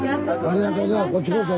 ありがとうございます。